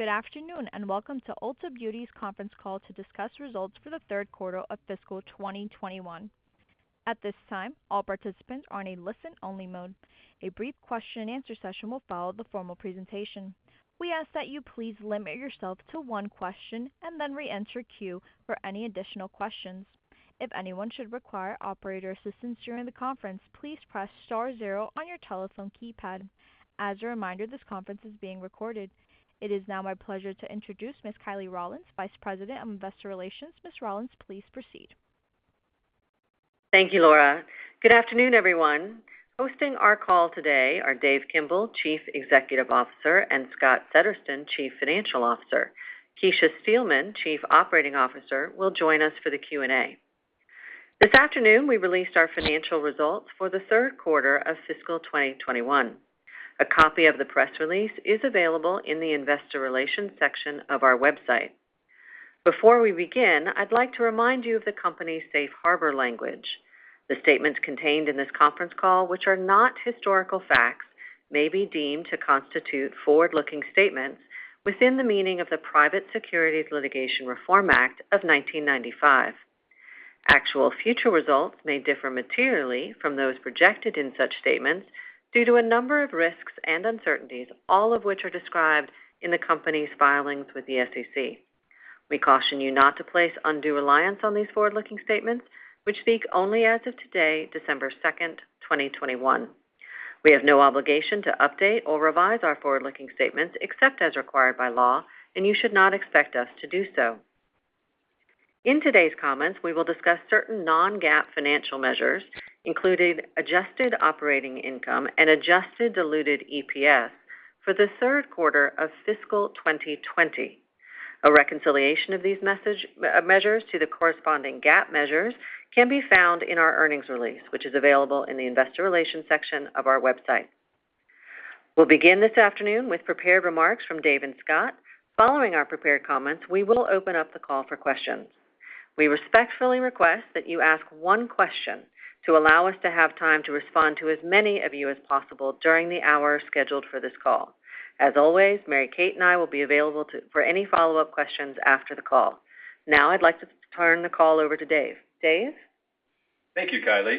Good afternoon, and welcome to Ulta Beauty's conference call to discuss results for the third quarter of fiscal 2021. At this time, all participants are in a listen-only mode. A brief question and answer session will follow the formal presentation. We ask that you please limit yourself to one question and then reenter queue for any additional questions. If anyone should require operator assistance during the conference, please press star zero on your telephone keypad. As a reminder, this conference is being recorded. It is now my pleasure to introduce Ms. Kiley Rawlins, Vice President of Investor Relations. Ms. Rawlins, please proceed. Thank you, Laura. Good afternoon, everyone. Hosting our call today are Dave Kimbell, Chief Executive Officer, and Scott Settersten, Chief Financial Officer. Kecia Steelman, Chief Operating Officer, will join us for the Q&A. This afternoon, we released our financial results for the third quarter of fiscal 2021. A copy of the press release is available in the Investor Relations section of our website. Before we begin, I'd like to remind you of the company's safe harbor language. The statements contained in this conference call, which are not historical facts, may be deemed to constitute forward-looking statements within the meaning of the Private Securities Litigation Reform Act of 1995. Actual future results may differ materially from those projected in such statements due to a number of risks and uncertainties, all of which are described in the company's filings with the SEC. We caution you not to place undue reliance on these forward-looking statements, which speak only as of today, December 2nd, 2021. We have no obligation to update or revise our forward-looking statements except as required by law, and you should not expect us to do so. In today's comments, we will discuss certain non-GAAP financial measures, including adjusted operating income and adjusted diluted EPS for the third quarter of fiscal 2020. A reconciliation of these measures to the corresponding GAAP measures can be found in our earnings release, which is available in the Investor Relations section of our website. We'll begin this afternoon with prepared remarks from Dave and Scott. Following our prepared comments, we will open up the call for questions. We respectfully request that you ask one question to allow us to have time to respond to as many of you as possible during the hour scheduled for this call. As always, Kiley Rawlins and I will be available for any follow-up questions after the call. Now I'd like to turn the call over to Dave. Dave? Thank you, Kiley,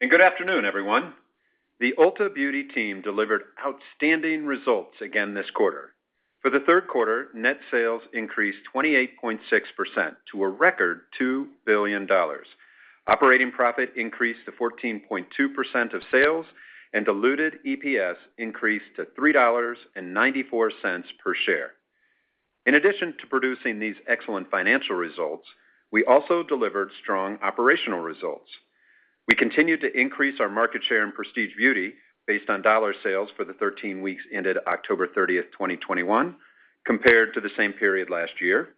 and good afternoon, everyone. The Ulta Beauty team delivered outstanding results again this quarter. For the third quarter, net sales increased 28.6% to a record $2 billion. Operating profit increased to 14.2% of sales, and diluted EPS increased to $3.94 per share. In addition to producing these excellent financial results, we also delivered strong operational results. We continued to increase our market share in prestige beauty based on dollar sales for the 13 weeks ended October 30th, 2021, compared to the same period last year.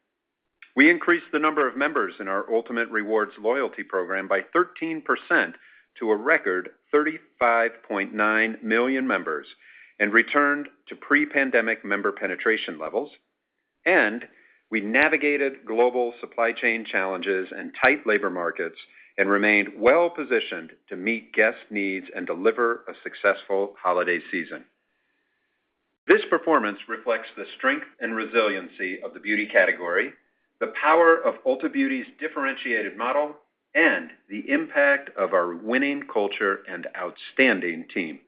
We increased the number of members in our Ultamate Rewards loyalty program by 13% to a record 35.9 million members and returned to pre-pandemic member penetration levels. We navigated global supply chain challenges and tight labor markets and remained well positioned to meet guest needs and deliver a successful holiday season. This performance reflects the strength and resiliency of the beauty category, the power of Ulta Beauty's differentiated model, and the impact of our winning culture and outstanding team.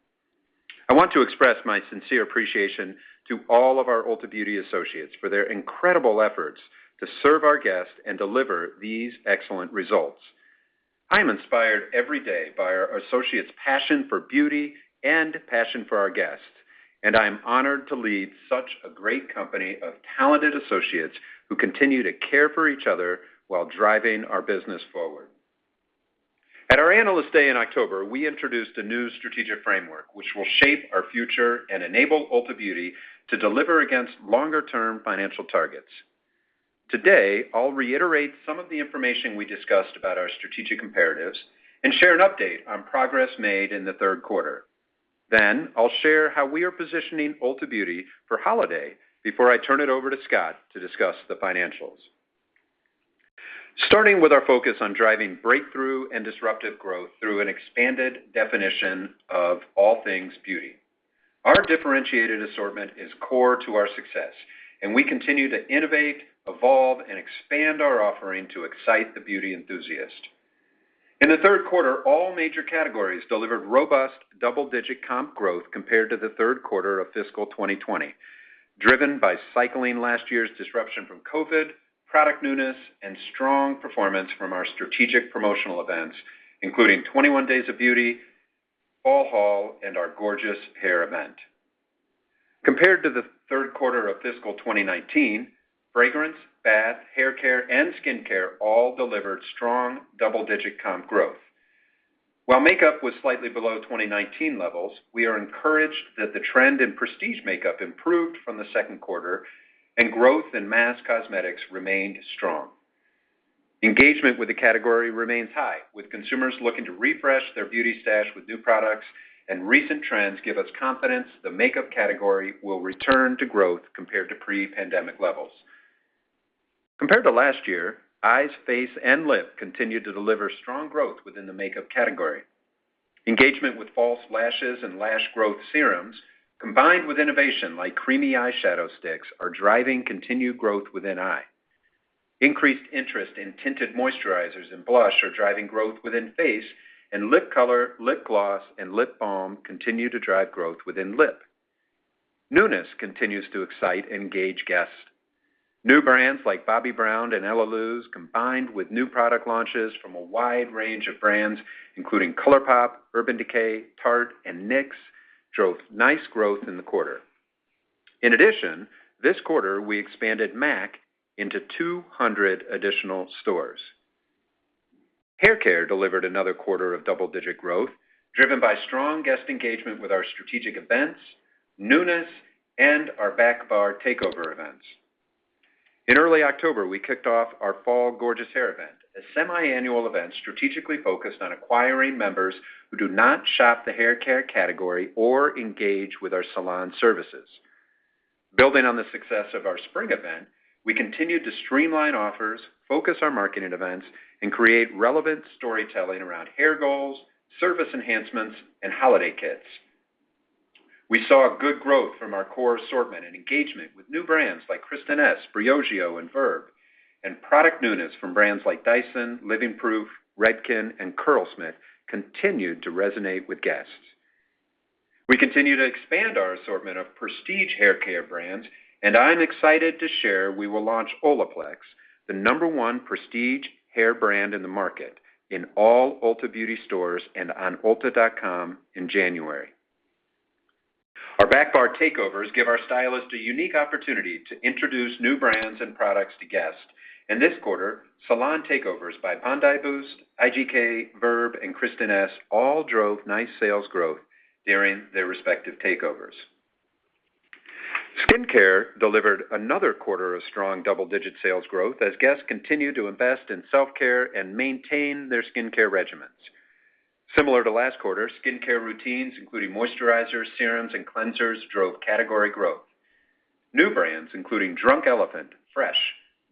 I want to express my sincere appreciation to all of our Ulta Beauty associates for their incredible efforts to serve our guests and deliver these excellent results. I am inspired every day by our associates' passion for beauty and passion for our guests, and I am honored to lead such a great company of talented associates who continue to care for each other while driving our business forward. At our Analyst Day in October, we introduced a new strategic framework which will shape our future and enable Ulta Beauty to deliver against longer-term financial targets. Today, I'll reiterate some of the information we discussed about our strategic comparatives and share an update on progress made in the third quarter. I'll share how we are positioning Ulta Beauty for holiday before I turn it over to Scott to discuss the financials. Starting with our focus on driving breakthrough and disruptive growth through an expanded definition of all things beauty. Our differentiated assortment is core to our success, and we continue to innovate, evolve, and expand our offering to excite the beauty enthusiast. In the third quarter, all major categories delivered robust double-digit comp growth compared to the third quarter of fiscal 2020, driven by cycling last year's disruption from COVID, product newness, and strong performance from our strategic promotional events, including 21 Days of Beauty, Fall Haul, and our Gorgeous Hair event. Compared to the third quarter of fiscal 2019, fragrance, bath, hair care, and skincare all delivered strong double-digit comp growth. While makeup was slightly below 2019 levels, we are encouraged that the trend in prestige makeup improved from the second quarter and growth in mass cosmetics remained strong. Engagement with the category remains high, with consumers looking to refresh their beauty stash with new products and recent trends give us confidence the makeup category will return to growth compared to pre-pandemic levels. Compared to last year, eyes, face, and lip continued to deliver strong growth within the makeup category. Engagement with false lashes and lash growth serums, combined with innovation like creamy eyeshadow sticks, are driving continued growth within eye. Increased interest in tinted moisturizers and blush are driving growth within face, and lip color, lip gloss, and lip balm continue to drive growth within lip. Newness continues to excite engaged guests. New brands like Bobbi Brown and Elaluz, combined with new product launches from a wide range of brands, including ColourPop, Urban Decay, Tarte, and NYX, drove nice growth in the quarter. In addition, this quarter, we expanded MAC into 200 additional stores. Haircare delivered another quarter of double-digit growth, driven by strong guest engagement with our strategic events, newness, and our back bar takeover events. In early October, we kicked off our Fall Gorgeous Hair event, a semi-annual event strategically focused on acquiring members who do not shop the haircare category or engage with our salon services. Building on the success of our spring event, we continued to streamline offers, focus our marketing events, and create relevant storytelling around hair goals, service enhancements, and holiday kits. We saw a good growth from our core assortment and engagement with new brands like Kristin Ess, Briogeo, and Verb. Product newness from brands like Dyson, Living Proof, Redken, and Curlsmith continued to resonate with guests. We continue to expand our assortment of prestige haircare brands, and I'm excited to share we will launch Olaplex, the number one prestige hair brand in the market, in all Ulta Beauty stores and on ulta.com in January. Our back bar takeovers give our stylists a unique opportunity to introduce new brands and products to guests. This quarter, salon takeovers by Bondi Boost, IGK, Verb, and Kristin Ess all drove nice sales growth during their respective takeovers. Skincare delivered another quarter of strong double-digit sales growth as guests continued to invest in self-care and maintain their skincare regimens. Similar to last quarter, skincare routines, including moisturizers, serums, and cleansers, drove category growth. New brands, including Drunk Elephant, Fresh,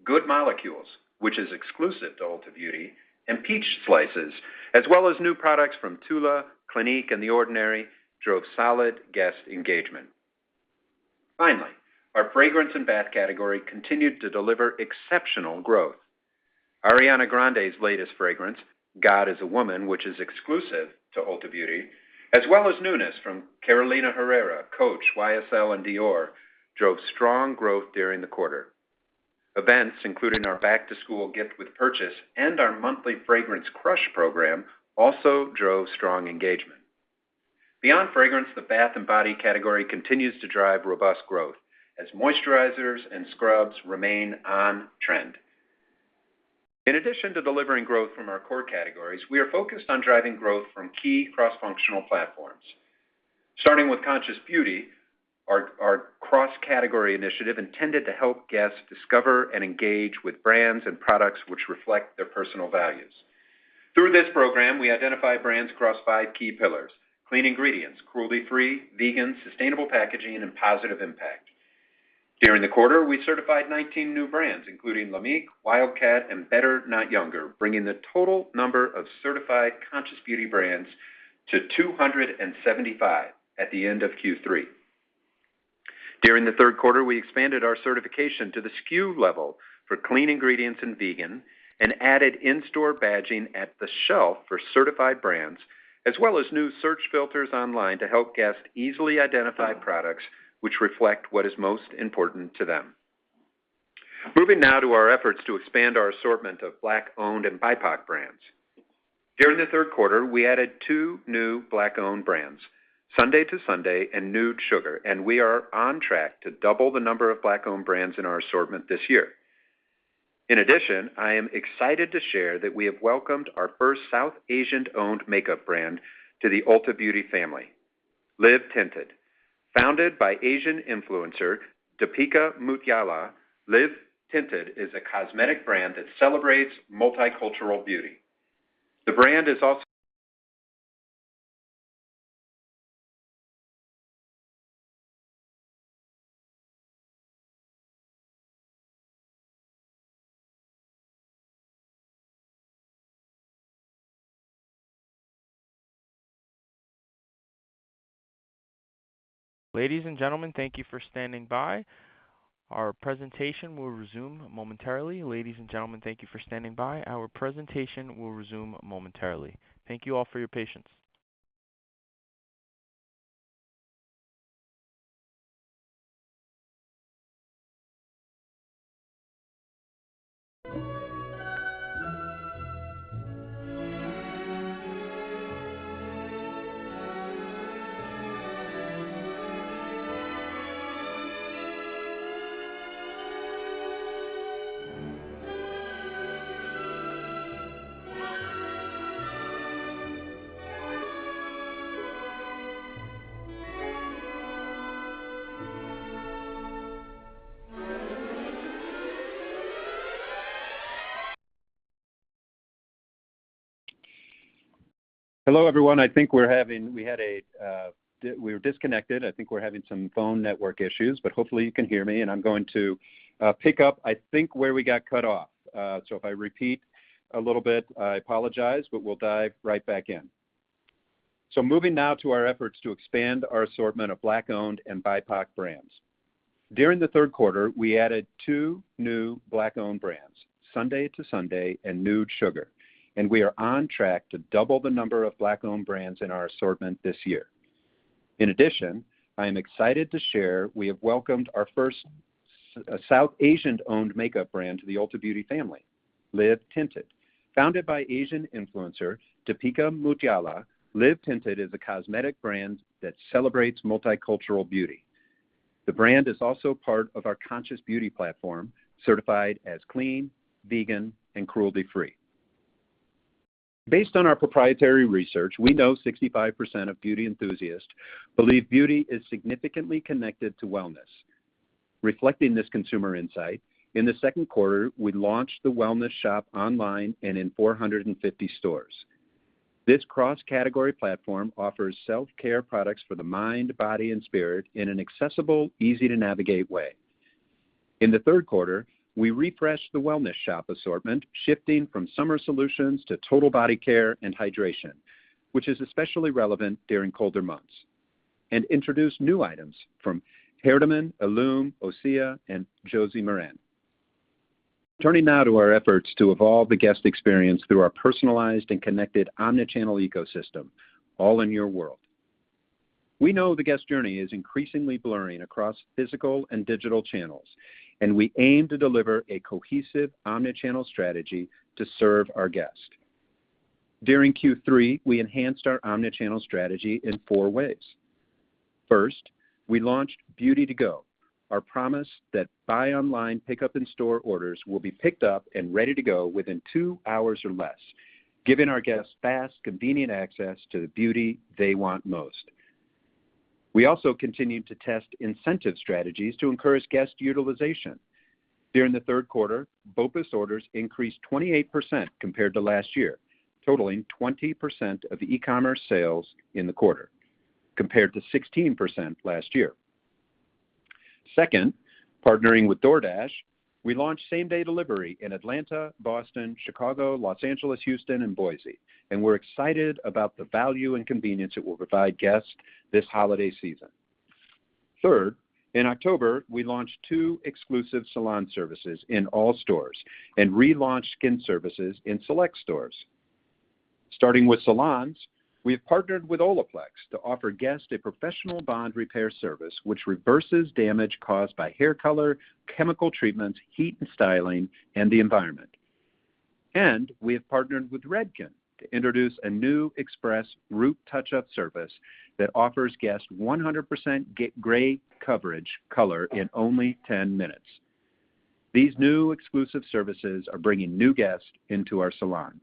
Good Molecules, which is exclusive to Ulta Beauty, and Peach Slices, as well as new products from TULA, Clinique, and The Ordinary, drove solid guest engagement. Finally, our fragrance and bath category continued to deliver exceptional growth. Ariana Grande's latest fragrance, God Is a Woman, which is exclusive to Ulta Beauty, as well as newness from Carolina Herrera, Coach, YSL, and Dior, drove strong growth during the quarter. Events, including our back-to-school gift with purchase and our monthly Fragrance Crush program, also drove strong engagement. Beyond fragrance, the bath and body category continues to drive robust growth as moisturizers and scrubs remain on-trend. In addition to delivering growth from our core categories, we are focused on driving growth from key cross-functional platforms. Starting with Conscious Beauty, our cross-category initiative intended to help guests discover and engage with brands and products which reflect their personal values. Through this program, we identify brands across five key pillars: clean ingredients, cruelty-free, vegan, sustainable packaging, and positive impact. During the quarter, we certified 19 new brands, including LAMIK, Wildcat, and Better Not Younger, bringing the total number of certified Conscious Beauty brands to 275 at the end of Q3. During the third quarter, we expanded our certification to the SKU level for clean ingredients and vegan, and added in-store badging at the shelf for certified brands, as well as new search filters online to help guests easily identify products which reflect what is most important to them. Moving now to our efforts to expand our assortment of Black-owned and BIPOC brands. During the third quarter, we added two new Black-owned brands, Sunday II Sunday and Nude Sugar, and we are on track to double the number of Black-owned brands in our assortment this year. In addition, I am excited to share that we have welcomed our first South Asian-owned makeup brand to the Ulta Beauty family, Live Tinted. Founded by Asian influencer, Deepica Mutyala, Live Tinted is a cosmetic brand that celebrates multicultural beauty. The brand is also. Ladies and gentlemen, thank you for standing by. Our presentation will resume momentarily. Ladies and gentlemen, thank you for standing by. Our presentation will resume momentarily. Thank you all for your patience. Hello, everyone. I think we were disconnected. I think we're having some phone network issues, but hopefully you can hear me, and I'm going to pick up, I think, where we got cut off. If I repeat a little bit, I apologize, but we'll dive right back in. Moving now to our efforts to expand our assortment of Black-owned and BIPOC brands. During the third quarter, we added two new Black-owned brands, Sunday II Sunday and Nude Sugar, and we are on track to double the number of Black-owned brands in our assortment this year. In addition, I am excited to share we have welcomed our first South Asian-owned makeup brand to the Ulta Beauty family, Live Tinted. Founded by Asian influencer Deepica Mutyala, Live Tinted is a cosmetic brand that celebrates multicultural beauty. The brand is also part of our Conscious Beauty platform, certified as clean, vegan, and cruelty-free. Based on our proprietary research, we know 65% of beauty enthusiasts believe beauty is significantly connected to wellness. Reflecting this consumer insight, in the second quarter, we launched The Wellness Shop online and in 450 stores. This cross-category platform offers self-care products for the mind, body, and spirit in an accessible, easy-to-navigate way. In the third quarter, we refreshed The Wellness Shop assortment, shifting from summer solutions to total body care and hydration, which is especially relevant during colder months, and introduced new items from Hairitage, ILLUME, OSEA, and Josie Maran. Turning now to our efforts to evolve the guest experience through our personalized and connected omni-channel ecosystem, all in your world. We know the guest journey is increasingly blurring across physical and digital channels, and we aim to deliver a cohesive omni-channel strategy to serve our guests. During Q3, we enhanced our omni-channel strategy in four ways. First, we launched Beauty to Go, our promise that buy online, pick up in store orders will be picked up and ready to go within two hours or less, giving our guests fast, convenient access to the beauty they want most. We also continued to test incentive strategies to encourage guest utilization. During the third quarter, BOPUS orders increased 28% compared to last year, totaling 20% of e-commerce sales in the quarter, compared to 16% last year. Second, partnering with DoorDash, we launched same-day delivery in Atlanta, Boston, Chicago, Los Angeles, Houston, and Boise, and we're excited about the value and convenience it will provide guests this holiday season. Third, in October, we launched two exclusive salon services in all stores and relaunched skin services in select stores. Starting with salons, we have partnered with Olaplex to offer guests a professional bond repair service which reverses damage caused by hair color, chemical treatments, heat and styling, and the environment. We have partnered with Redken to introduce a new express root touch-up service that offers guests 100% gray coverage color in only 10 minutes. These new exclusive services are bringing new guests into our salons.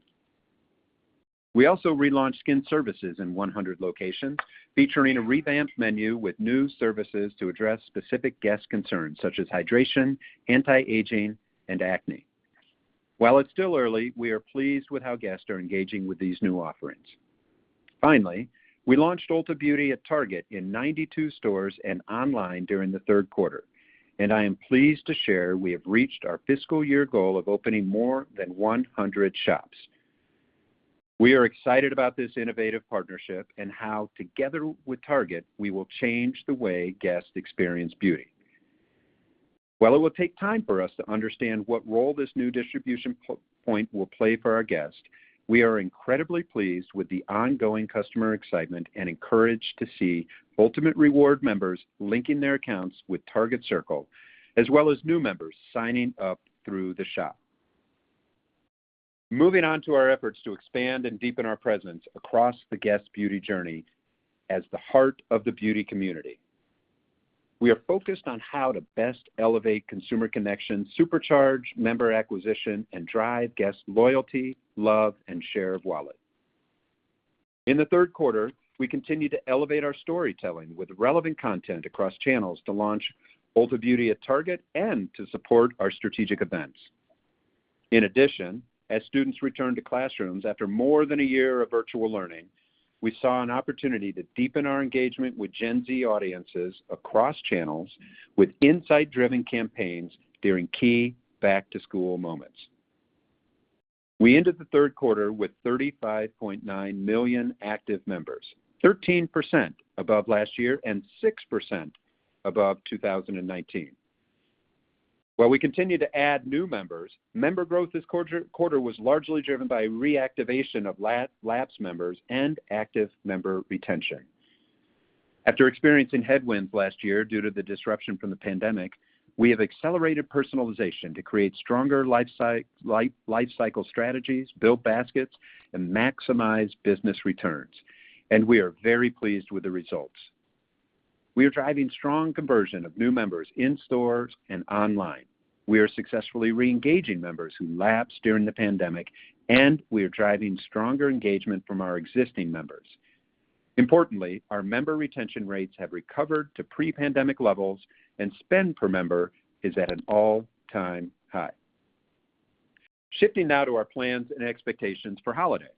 We also relaunched skin services in 100 locations, featuring a revamped menu with new services to address specific guest concerns such as hydration, anti-aging, and acne. While it's still early, we are pleased with how guests are engaging with these new offerings. Finally, we launched Ulta Beauty at Target in 92 stores and online during the third quarter, and I am pleased to share we have reached our fiscal year goal of opening more than 100 shops. We are excited about this innovative partnership and how, together with Target, we will change the way guests experience beauty. While it will take time for us to understand what role this new distribution point will play for our guests, we are incredibly pleased with the ongoing customer excitement and encouraged to see Ultamate Rewards members linking their accounts with Target Circle, as well as new members signing up through the shop. Moving on to our efforts to expand and deepen our presence across the guest beauty journey as the heart of the beauty community. We are focused on how to best elevate consumer connection, supercharge member acquisition, and drive guest loyalty, love, and share of wallet. In the third quarter, we continued to elevate our storytelling with relevant content across channels to launch Ulta Beauty at Target and to support our strategic events. In addition, as students returned to classrooms after more than a year of virtual learning, we saw an opportunity to deepen our engagement with Gen Z audiences across channels with insight-driven campaigns during key back-to-school moments. We ended the third quarter with 35.9 million active members, 13% above last year and 6% above 2019. While we continue to add new members, member growth this quarter was largely driven by reactivation of lapsed members and active member retention. After experiencing headwinds last year due to the disruption from the pandemic, we have accelerated personalization to create stronger life cycle strategies, build baskets, and maximize business returns. We are very pleased with the results. We are driving strong conversion of new members in stores and online. We are successfully re-engaging members who lapsed during the pandemic, and we are driving stronger engagement from our existing members. Importantly, our member retention rates have recovered to pre-pandemic levels and spend per member is at an all-time high. Shifting now to our plans and expectations for holiday.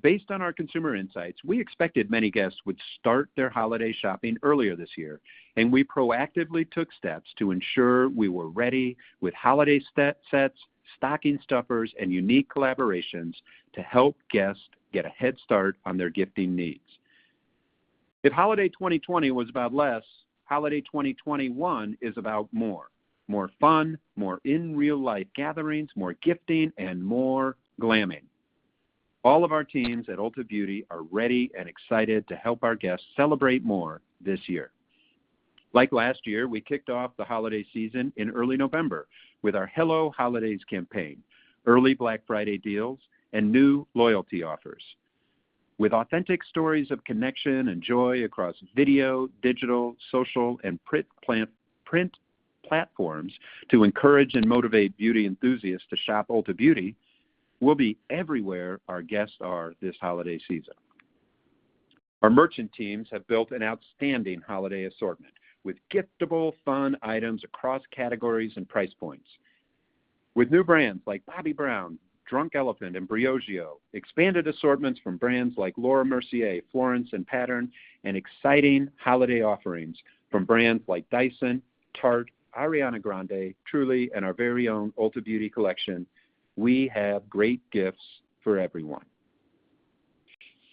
Based on our consumer insights, we expected many guests would start their holiday shopping earlier this year, and we proactively took steps to ensure we were ready with holiday sets, stocking stuffers, and unique collaborations to help guests get a head start on their gifting needs. If holiday 2020 was about less, holiday 2021 is about more, more fun, more in real-life gatherings, more gifting, and more glamming. All of our teams at Ulta Beauty are ready and excited to help our guests celebrate more this year. Like last year, we kicked off the holiday season in early November with our Hello Holidays campaign, early Black Friday deals, and new loyalty offers. With authentic stories of connection and joy across video, digital, social, and print platforms to encourage and motivate beauty enthusiasts to shop Ulta Beauty, we'll be everywhere our guests are this holiday season. Our merchant teams have built an outstanding holiday assortment with giftable fun items across categories and price points. With new brands like Bobbi Brown, Drunk Elephant, and Briogeo, expanded assortments from brands like Laura Mercier, florence by mills, and Pattern, and exciting holiday offerings from brands like Dyson, Tarte, Ariana Grande, Truly, and our very own Ulta Beauty collection, we have great gifts for everyone.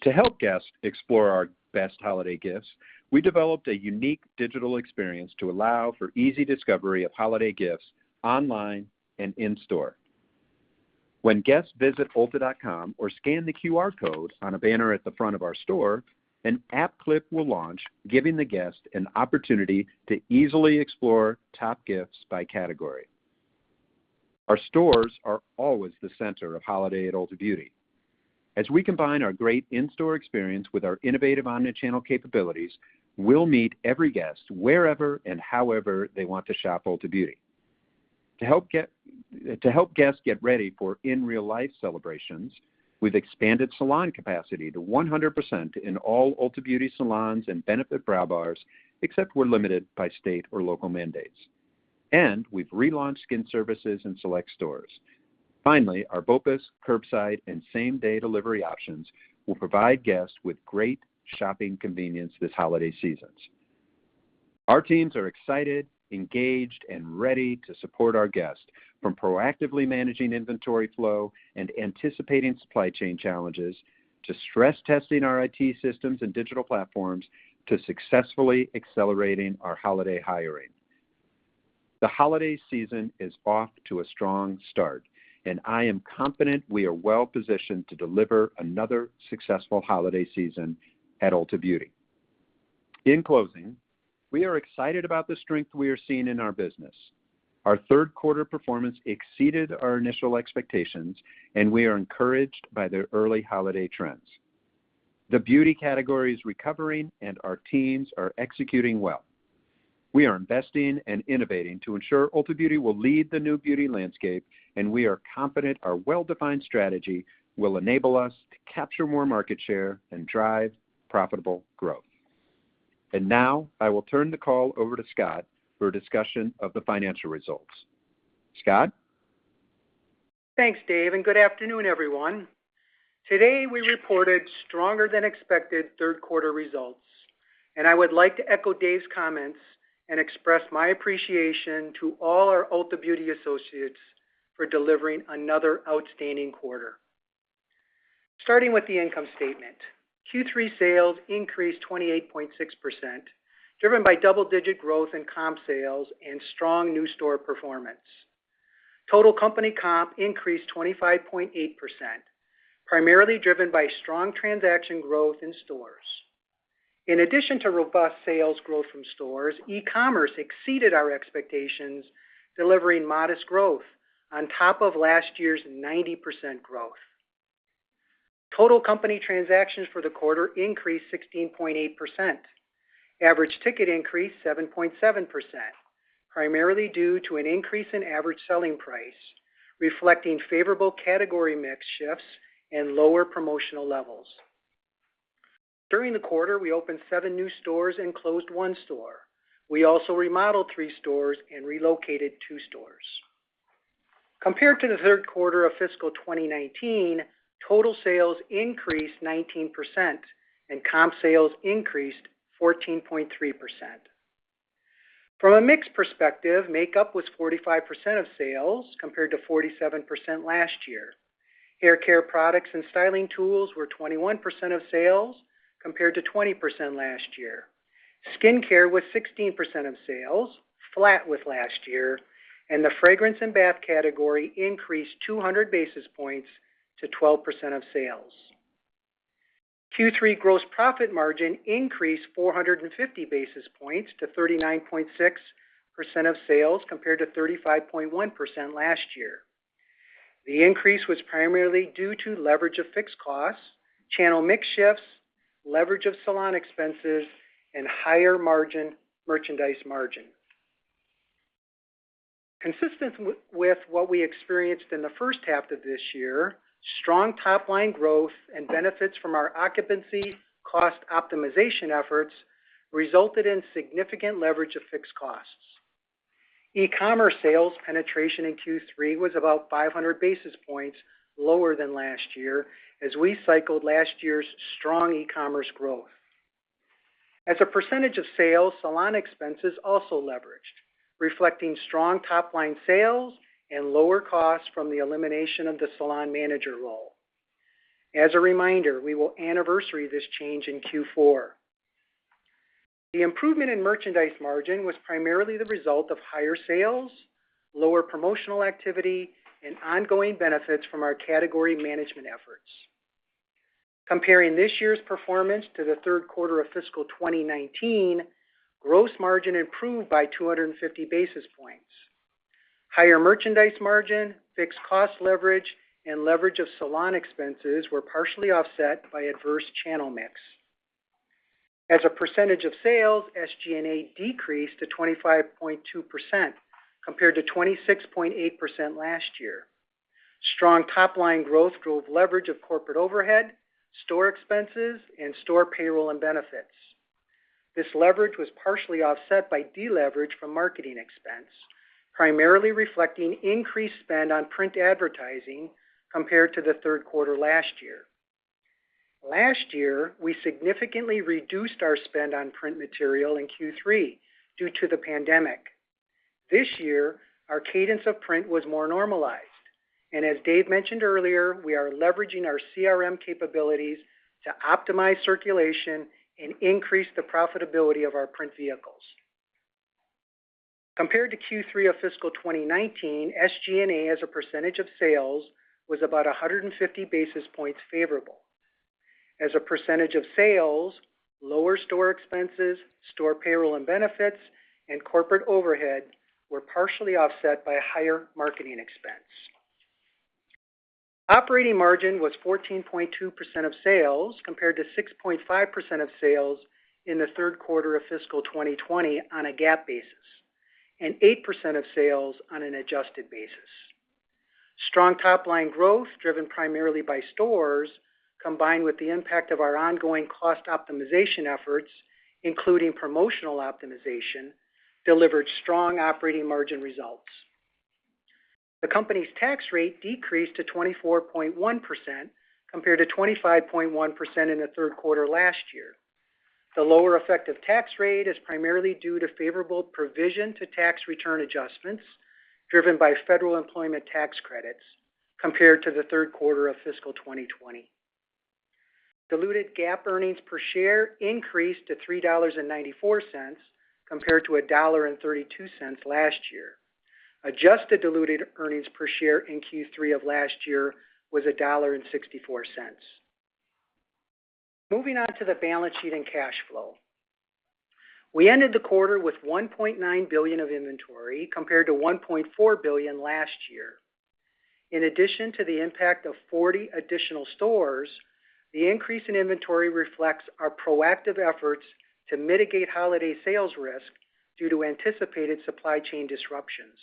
To help guests explore our best holiday gifts, we developed a unique digital experience to allow for easy discovery of holiday gifts online and in store. When guests visit ulta.com or scan the QR code on a banner at the front of our store, an app clip will launch, giving the guest an opportunity to easily explore top gifts by category. Our stores are always the center of holiday at Ulta Beauty. As we combine our great in-store experience with our innovative omni-channel capabilities, we'll meet every guest wherever and however they want to shop Ulta Beauty. To help guests get ready for in real-life celebrations, we've expanded salon capacity to 100% in all Ulta Beauty salons and Benefit Brow Bars, except we're limited by state or local mandates. We've relaunched skin services in select stores. Finally, our BOPUS, curbside, and same-day delivery options will provide guests with great shopping convenience this holiday season. Our teams are excited, engaged, and ready to support our guests from proactively managing inventory flow and anticipating supply chain challenges, to stress testing our IT systems and digital platforms, to successfully accelerating our holiday hiring. The holiday season is off to a strong start, and I am confident we are well positioned to deliver another successful holiday season at Ulta Beauty. In closing, we are excited about the strength we are seeing in our business. Our third quarter performance exceeded our initial expectations, and we are encouraged by the early holiday trends. The beauty category is recovering, and our teams are executing well. We are investing and innovating to ensure Ulta Beauty will lead the new beauty landscape, and we are confident our well-defined strategy will enable us to capture more market share and drive profitable growth. Now, I will turn the call over to Scott for a discussion of the financial results. Scott? Thanks, Dave, and good afternoon, everyone. Today, we reported stronger than expected third quarter results. I would like to echo Dave's comments and express my appreciation to all our Ulta Beauty associates for delivering another outstanding quarter. Starting with the income statement, Q3 sales increased 28.6%, driven by double-digit growth in comp sales and strong new store performance. Total company comp increased 25.8%, primarily driven by strong transaction growth in stores. In addition to robust sales growth from stores, e-commerce exceeded our expectations, delivering modest growth on top of last year's 90% growth. Total company transactions for the quarter increased 16.8%. Average ticket increased 7.7%, primarily due to an increase in average selling price, reflecting favorable category mix shifts and lower promotional levels. During the quarter, we opened seven new stores and closed one store. We also remodeled three stores and relocated two stores. Compared to the third quarter of fiscal 2019, total sales increased 19%, and comp sales increased 14.3%. From a mix perspective, makeup was 45% of sales, compared to 47% last year. Haircare products and styling tools were 21% of sales, compared to 20% last year. Skincare was 16% of sales, flat with last year, and the fragrance and bath category increased 200 basis points to 12% of sales. Q3 gross profit margin increased 450 basis points to 39.6% of sales, compared to 35.1% last year. The increase was primarily due to leverage of fixed costs, channel mix shifts, leverage of salon expenses, and higher-margin merchandise margin. Consistent with what we experienced in the first half of this year, strong top-line growth and benefits from our occupancy cost optimization efforts resulted in significant leverage of fixed costs. E-commerce sales penetration in Q3 was about 500 basis points lower than last year as we cycled last year's strong e-commerce growth. As a percentage of sales, salon expenses also leveraged, reflecting strong top-line sales and lower costs from the elimination of the salon manager role. As a reminder, we will anniversary this change in Q4. The improvement in merchandise margin was primarily the result of higher sales, lower promotional activity, and ongoing benefits from our category management efforts. Comparing this year's performance to the third quarter of fiscal 2019, gross margin improved by 250 basis points. Higher merchandise margin, fixed cost leverage, and leverage of salon expenses were partially offset by adverse channel mix. As a percentage of sales, SG&A decreased to 25.2% compared to 26.8% last year. Strong top-line growth drove leverage of corporate overhead, store expenses, and store payroll and benefits. This leverage was partially offset by deleverage from marketing expense, primarily reflecting increased spend on print advertising compared to the third quarter last year. Last year, we significantly reduced our spend on print material in Q3 due to the pandemic. This year, our cadence of print was more normalized. As Dave mentioned earlier, we are leveraging our CRM capabilities to optimize circulation and increase the profitability of our print vehicles. Compared to Q3 of fiscal 2019, SG&A as a percentage of sales was about 150 basis points favorable. As a percentage of sales, lower store expenses, store payroll and benefits, and corporate overhead were partially offset by higher marketing expense. Operating margin was 14.2% of sales compared to 6.5% of sales in the third quarter of fiscal 2020 on a GAAP basis, and 8% of sales on an adjusted basis. Strong top-line growth, driven primarily by stores, combined with the impact of our ongoing cost optimization efforts, including promotional optimization, delivered strong operating margin results. The company's tax rate decreased to 24.1% compared to 25.1% in the third quarter last year. The lower effective tax rate is primarily due to favorable provision to tax return adjustments driven by federal employment tax credits compared to the third quarter of fiscal 2020. Diluted GAAP earnings per share increased to $3.94 compared to $1.32 last year. Adjusted diluted earnings per share in Q3 of last year was $1.64. Moving on to the balance sheet and cash flow. We ended the quarter with $1.9 billion of inventory compared to $1.4 billion last year. In addition to the impact of 40 additional stores, the increase in inventory reflects our proactive efforts to mitigate holiday sales risk due to anticipated supply chain disruptions.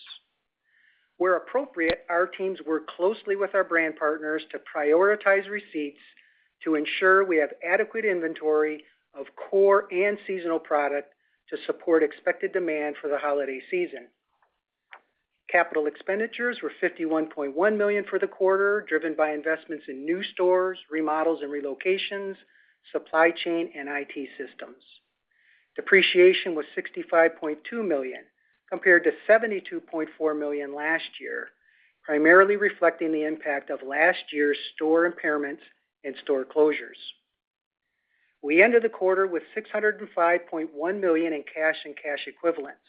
Where appropriate, our teams work closely with our brand partners to prioritize receipts to ensure we have adequate inventory of core and seasonal product to support expected demand for the holiday season. CapEx was $51.1 million for the quarter, driven by investments in new stores, remodels and relocations, supply chain, and IT systems. Depreciation was $65.2 million, compared to $72.4 million last year, primarily reflecting the impact of last year's store impairments and store closures. We ended the quarter with $605.1 million in cash and cash equivalents.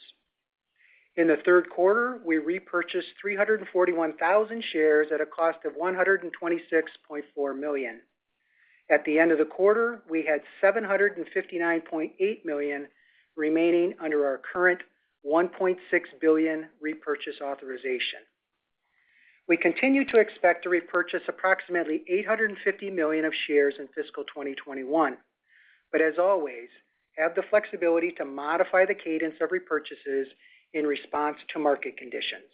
In the third quarter, we repurchased 341,000 shares at a cost of $126.4 million. At the end of the quarter, we had $759.8 million remaining under our current $1.6 billion repurchase authorization. We continue to expect to repurchase approximately $850 million of shares in fiscal 2021, but as always, have the flexibility to modify the cadence of repurchases in response to market conditions.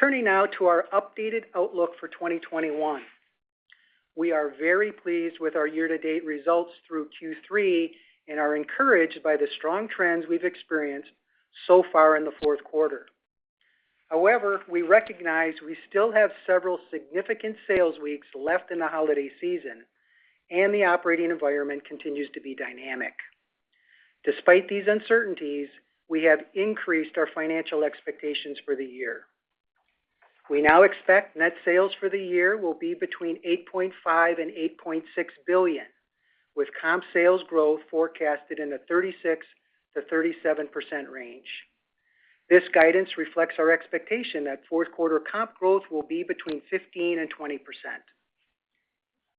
Turning now to our updated outlook for 2021. We are very pleased with our year-to-date results through Q3 and are encouraged by the strong trends we've experienced so far in the fourth quarter. However, we recognize we still have several significant sales weeks left in the holiday season, and the operating environment continues to be dynamic. Despite these uncertainties, we have increased our financial expectations for the year. We now expect net sales for the year will be between $8.5 billion and $8.6 billion, with comp sales growth forecasted in the 36%-37% range. This guidance reflects our expectation that fourth quarter comp growth will be between 15% and 20%.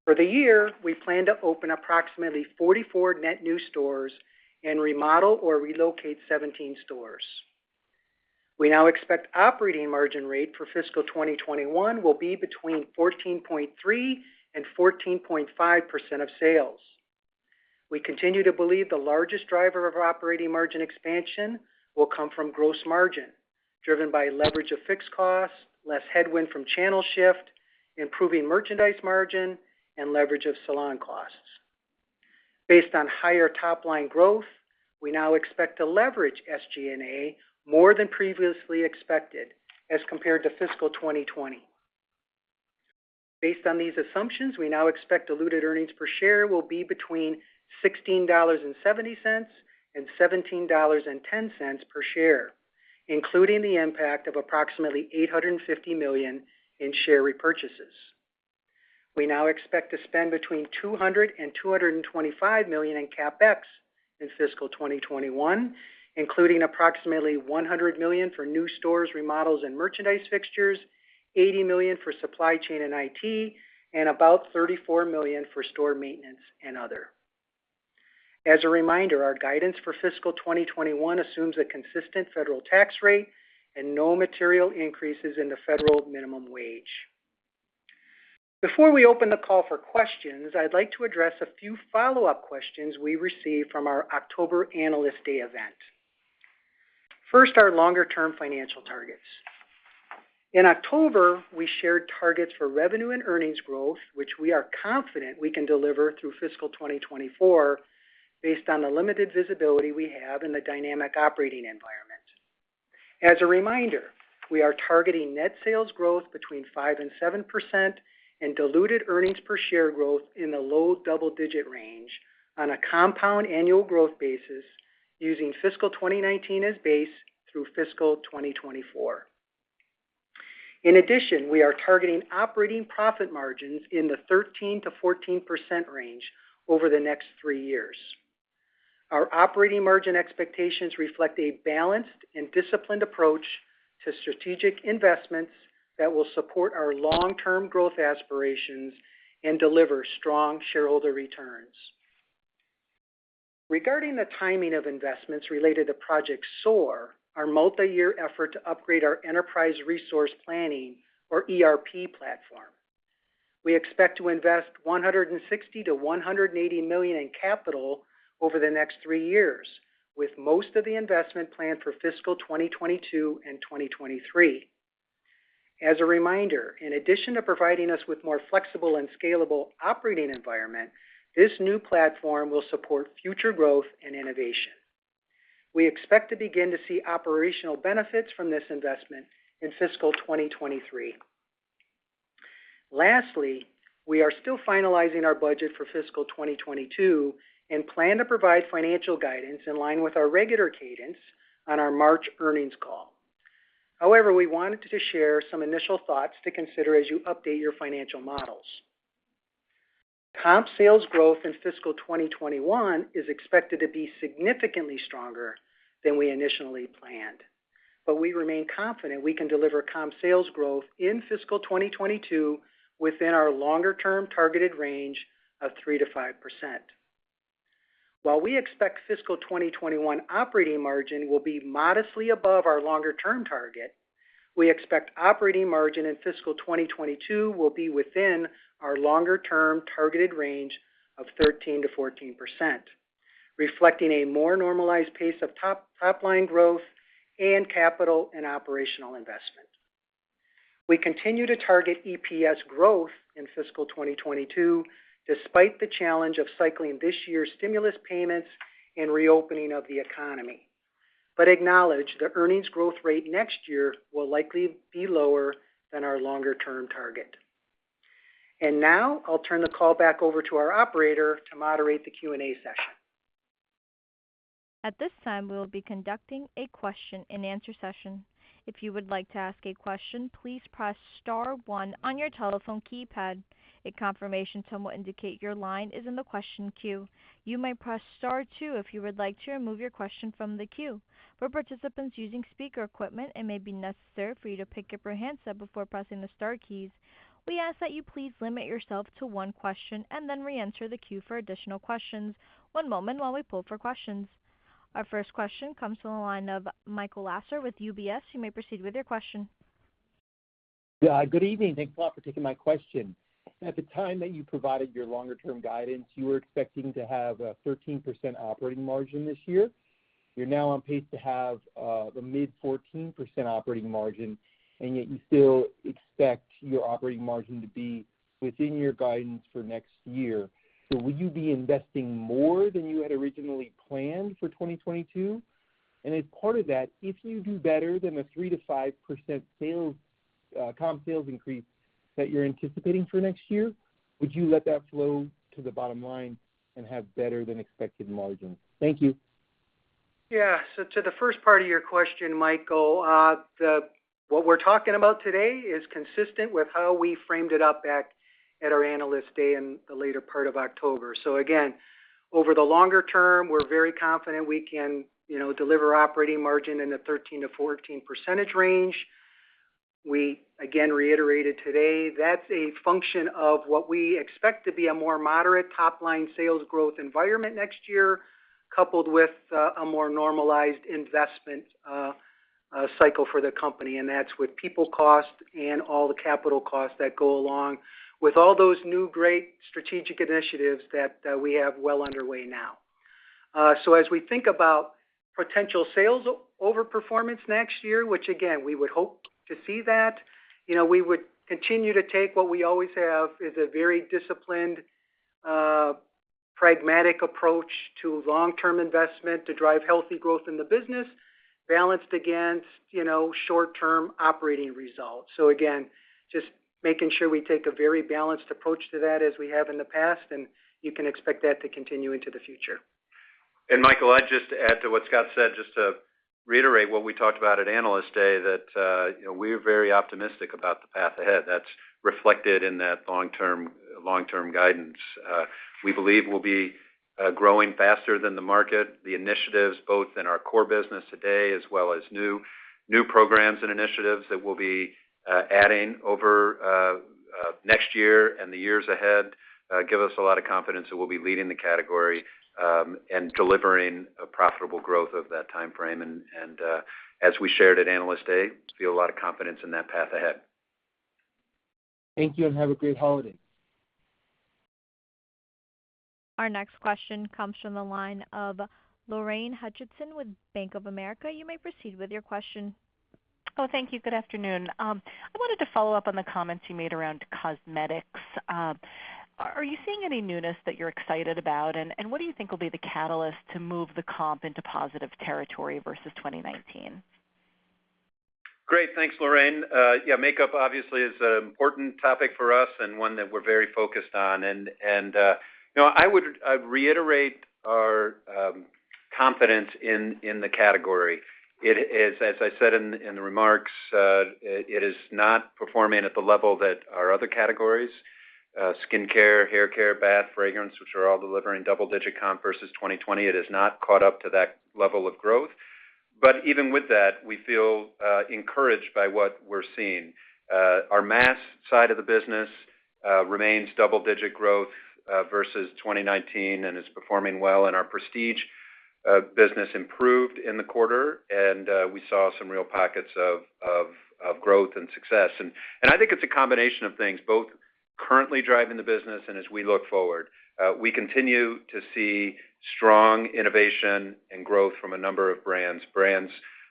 For the year, we plan to open approximately 44 net new stores and remodel or relocate 17 stores. We now expect operating margin rate for fiscal 2021 will be between 14.3%-14.5% of sales. We continue to believe the largest driver of operating margin expansion will come from gross margin, driven by leverage of fixed costs, less headwind from channel shift, improving merchandise margin, and leverage of salon costs. Based on higher top line growth, we now expect to leverage SG&A more than previously expected as compared to fiscal 2020. Based on these assumptions, we now expect diluted earnings per share will be between $16.70 and $17.10 per share, including the impact of approximately $850 million in share repurchases. We now expect to spend between $200 million-$225 million in CapEx in fiscal 2021, including approximately $100 million for new stores, remodels, and merchandise fixtures, $80 million for supply chain and IT, and about $34 million for store maintenance and other. As a reminder, our guidance for fiscal 2021 assumes a consistent federal tax rate and no material increases in the federal minimum wage. Before we open the call for questions, I'd like to address a few follow-up questions we received from our October Analyst Day event. First, our longer-term financial targets. In October, we shared targets for revenue and earnings growth, which we are confident we can deliver through fiscal 2024 based on the limited visibility we have in the dynamic operating environment. As a reminder, we are targeting net sales growth between 5% and 7% and diluted earnings per share growth in the low double-digit range on a compound annual growth basis using fiscal 2019 as base through fiscal 2024. In addition, we are targeting operating profit margins in the 13%-14% range over the next three years. Our operating margin expectations reflect a balanced and disciplined approach to strategic investments that will support our long-term growth aspirations and deliver strong shareholder returns. Regarding the timing of investments related to Project SOAR, our multiyear effort to upgrade our enterprise resource planning or ERP platform, we expect to invest $160 million-$180 million in capital over the next three years, with most of the investment planned for fiscal 2022 and 2023. As a reminder, in addition to providing us with more flexible and scalable operating environment, this new platform will support future growth and innovation. We expect to begin to see operational benefits from this investment in fiscal 2023. Lastly, we are still finalizing our budget for fiscal 2022 and plan to provide financial guidance in line with our regular cadence on our March earnings call. However, we wanted to share some initial thoughts to consider as you update your financial models. Comp sales growth in fiscal 2021 is expected to be significantly stronger than we initially planned, but we remain confident we can deliver comp sales growth in fiscal 2022 within our longer-term targeted range of 3%-5%. While we expect fiscal 2021 operating margin will be modestly above our longer-term target, we expect operating margin in fiscal 2022 will be within our longer-term targeted range of 13%-14%, reflecting a more normalized pace of top line growth and capital and operational investment. We continue to target EPS growth in fiscal 2022 despite the challenge of cycling this year's stimulus payments and reopening of the economy, but acknowledge the earnings growth rate next year will likely be lower than our longer-term target. Now I'll turn the call back over to our operator to moderate the Q&A session. At this time, we will be conducting a question-and-answer session. If you would like to ask a question, please press star one on your telephone keypad. A confirmation tone will indicate your line is in the question queue. You may press star two if you would like to remove your question from the queue. For participants using speaker equipment, it may be necessary for you to pick up your handset before pressing the star keys. We ask that you please limit yourself to one question and then reenter the queue for additional questions. One moment while we pull for questions. Our first question comes from the line of Michael Lasser with UBS. You may proceed with your question. Yeah, good evening. Thanks a lot for taking my question. At the time that you provided your longer-term guidance, you were expecting to have a 13% operating margin this year. You're now on pace to have the mid-14% operating margin, and yet you still expect your operating margin to be within your guidance for next year. Will you be investing more than you had originally planned for 2022? And as part of that, if you do better than the 3%-5% sales comp sales increase that you're anticipating for next year, would you let that flow to the bottom line and have better than expected margin? Thank you. To the first part of your question, Michael, what we're talking about today is consistent with how we framed it up back at our Analyst Day in the later part of October. Again, over the longer term, we're very confident we can, you know, deliver operating margin in the 13%-14% range. We again reiterated today that's a function of what we expect to be a more moderate top-line sales growth environment next year, coupled with a more normalized investment cycle for the company, and that's with people cost and all the capital costs that go along with all those new great strategic initiatives that we have well underway now. As we think about potential sales over performance next year, which again, we would hope to see that, you know, we would continue to take what we always have is a very disciplined, pragmatic approach to long-term investment to drive healthy growth in the business balanced against, you know, short-term operating results. Again, just making sure we take a very balanced approach to that as we have in the past, and you can expect that to continue into the future. Michael, I'd just add to what Scott said, just to reiterate what we talked about at Analyst Day, that, you know, we're very optimistic about the path ahead. That's reflected in that long-term guidance. We believe we'll be growing faster than the market. The initiatives, both in our core business today as well as new programs and initiatives that we'll be adding over next year and the years ahead, give us a lot of confidence that we'll be leading the category and delivering a profitable growth of that timeframe. As we shared at Analyst Day, we feel a lot of confidence in that path ahead. Thank you, and have a great holiday. Our next question comes from the line of Lorraine Hutchinson with Bank of America. You may proceed with your question. Oh, thank you. Good afternoon. I wanted to follow up on the comments you made around cosmetics. Are you seeing any newness that you're excited about? What do you think will be the catalyst to move the comp into positive territory versus 2019? Great. Thanks, Lorraine. Yeah, makeup obviously is an important topic for us and one that we're very focused on. You know, I would reiterate our confidence in the category. It is, as I said in the remarks, it is not performing at the level that our other categories, skincare, haircare, bath, fragrance, which are all delivering double-digit comp versus 2020. It has not caught up to that level of growth. Even with that, we feel encouraged by what we're seeing. Our mass side of the business remains double-digit growth versus 2019 and is performing well. Our prestige business improved in the quarter, and we saw some real pockets of growth and success. I think it's a combination of things both currently driving the business and as we look forward. We continue to see strong innovation and growth from a number of brands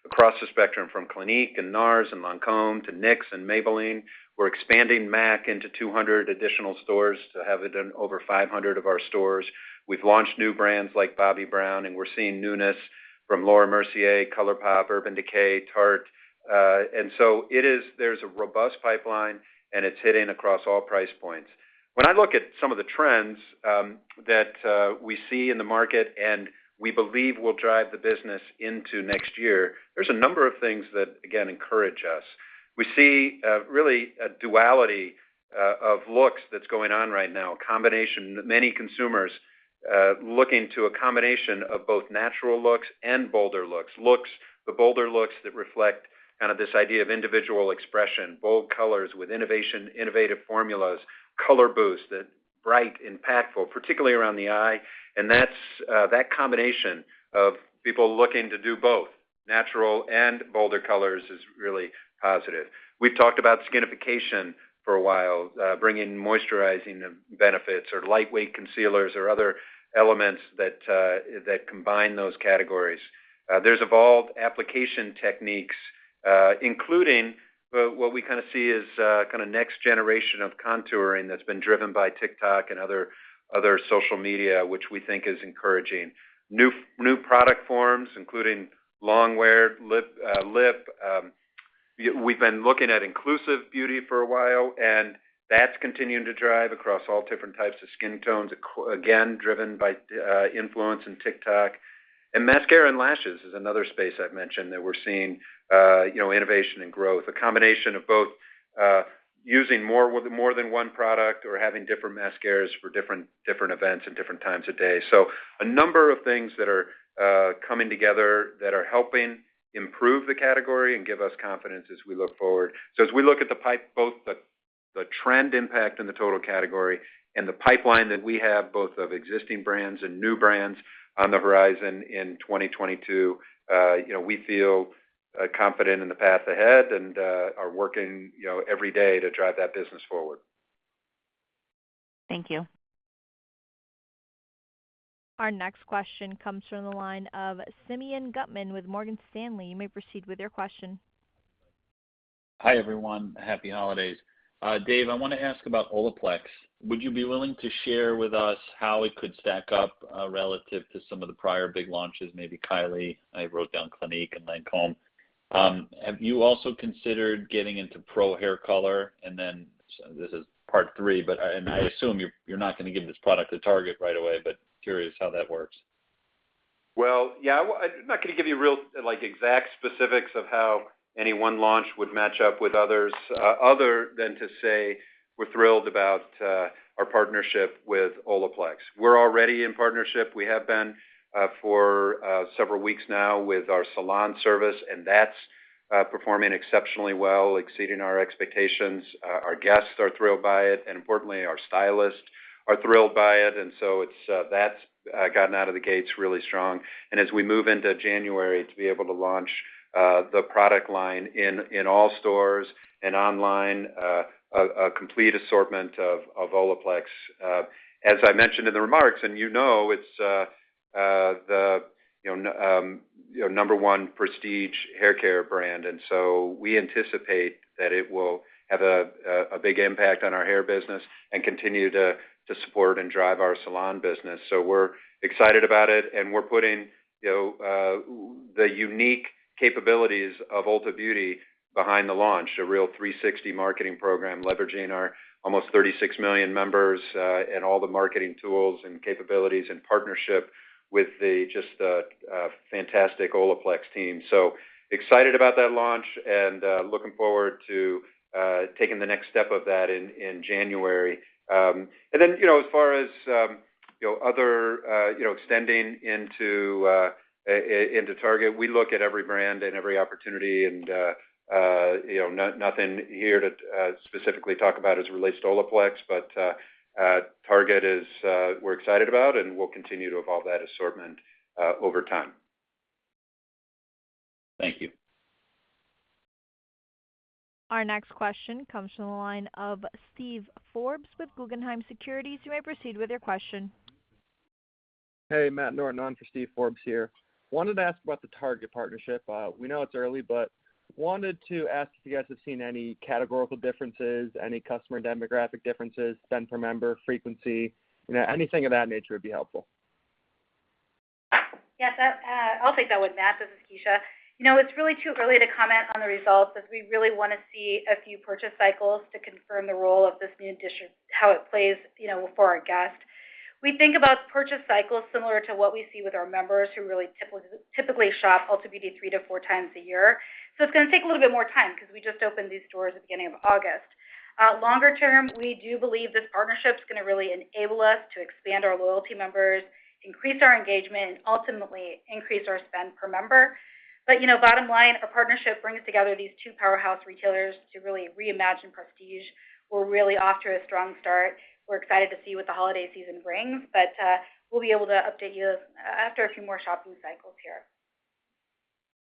across the spectrum, from Clinique and NARS and Lancôme to NYX and Maybelline. We're expanding MAC into 200 additional stores to have it in over 500 of our stores. We've launched new brands like Bobbi Brown, and we're seeing newness from Laura Mercier, ColourPop, Urban Decay, Tarte. There's a robust pipeline, and it's hitting across all price points. When I look at some of the trends that we see in the market and we believe will drive the business into next year, there's a number of things that, again, encourage us. We see really a duality of looks that's going on right now, a combination of many consumers looking to a combination of both natural looks and bolder looks. The bolder looks that reflect kind of this idea of individual expression, bold colors with innovation, innovative formulas, color boosts that bright, impactful, particularly around the eye. That combination of people looking to do both natural and bolder colors is really positive. We've talked about skinification for a while, bringing moisturizing benefits or lightweight concealers or other elements that combine those categories. There's evolved application techniques, including what we kind of see as kind of next generation of contouring that's been driven by TikTok and other social media, which we think is encouraging. New product forms, including long-wear lip. We've been looking at inclusive beauty for a while, and that's continuing to drive across all different types of skin tones, again, driven by influence in TikTok. Mascara and lashes is another space I've mentioned that we're seeing, you know, innovation and growth, a combination of both, using more than one product or having different mascaras for different events and different times of day. A number of things that are coming together that are helping improve the category and give us confidence as we look forward. as we look at the pipe, both the trend impact in the total category and the pipeline that we have both of existing brands and new brands on the horizon in 2022, you know, we feel confident in the path ahead and are working, you know, every day to drive that business forward. Thank you. Our next question comes from the line of Simeon Gutman with Morgan Stanley. You may proceed with your question. Hi, everyone. Happy holidays. Dave, I want to ask about Olaplex. Would you be willing to share with us how it could stack up relative to some of the prior big launches, maybe Kylie. I wrote down Clinique and Lancôme. Have you also considered getting into pro hair color? Then this is part three. I assume you're not going to give this product to Target right away, but curious how that works. Well, yeah, I'm not going to give you real, like, exact specifics of how any one launch would match up with others, other than to say we're thrilled about our partnership with Olaplex. We're already in partnership. We have been for several weeks now with our salon service, and that's performing exceptionally well, exceeding our expectations. Our guests are thrilled by it, and importantly, our stylists are thrilled by it. It's gotten out of the gates really strong. As we move into January to be able to launch the product line in all stores and online, a complete assortment of Olaplex. As I mentioned in the remarks, and you know it's the You know, number one prestige haircare brand. We anticipate that it will have a big impact on our hair business and continue to support and drive our salon business. We're excited about it, and we're putting, you know, the unique capabilities of Ulta Beauty behind the launch, a real 360 marketing program, leveraging our almost 36 million members, and all the marketing tools and capabilities and partnership with the just fantastic Olaplex team. Excited about that launch and looking forward to taking the next step of that in January. You know, as far as you know, other you know, extending into into Target, we look at every brand and every opportunity and you know, nothing here to specifically talk about as it relates to Olaplex. We're excited about Target, and we'll continue to evolve that assortment over time. Thank you. Our next question comes from the line of Steven Forbes with Guggenheim Securities. You may proceed with your question. Hey, Matt Norton on for Steven Forbes here. Wanted to ask about the Target partnership. We know it's early, but wanted to ask if you guys have seen any categorical differences, any customer demographic differences, spend per member frequency. You know, anything of that nature would be helpful. Yes, I'll take that one, Matt. This is Kecia. You know, it's really too early to comment on the results as we really wanna see a few purchase cycles to confirm the role of this new addition, how it plays, you know, for our guests. We think about purchase cycles similar to what we see with our members who really typically shop Ulta Beauty 3 to 4 times a year. It's gonna take a little bit more time because we just opened these stores at the beginning of August. Longer term, we do believe this partnership is gonna really enable us to expand our loyalty members, increase our engagement, and ultimately increase our spend per member. You know, bottom line, our partnership brings together these two powerhouse retailers to really reimagine prestige. We're really off to a strong start. We're excited to see what the holiday season brings, but we'll be able to update you after a few more shopping cycles here.